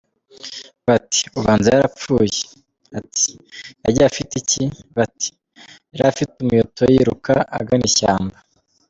" Bati "Ubanza yarapfuye!" Ati "Yagiye afite iki?" Bati "yari afite umuheto yiruka agana ishyamba.